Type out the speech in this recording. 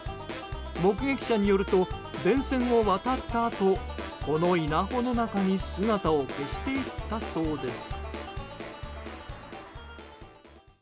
目撃者によると電線を渡ったあとこの稲穂の中に姿を消していったそうです。